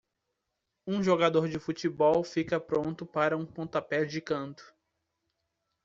Um jogador de futebol fica pronto para um pontapé de canto.